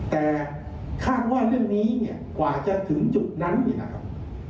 แต่คาดว่าเรื่องนี้เนี่ยกว่าจะถึงจุดนั้นเนี่ยนะครับ